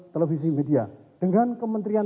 televisi media dengan kementrian